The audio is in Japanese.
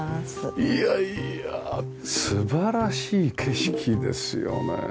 いやいや素晴らしい景色ですよね。